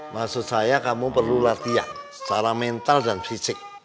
maksud saya kamu perlu latihan secara mental dan fisik